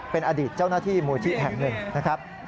เป็นอดีตเจ้าหน้าที่มูลที่แห่งหนึ่งนะครับ